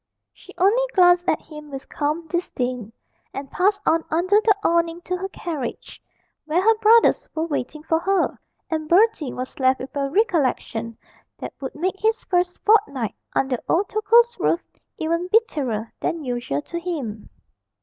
She only glanced at him with calm disdain, and passed on under the awning to her carriage, where her brothers were waiting for her, and Bertie was left with a recollection that would make his first fortnight under old Tokoe's roof even bitterer than usual to him.